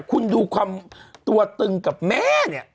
คุณดูตัวตึงกับแม่